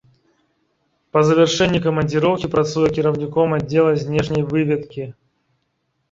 Па завяршэнні камандзіроўкі працуе кіраўніком аддзела знешняй выведкі.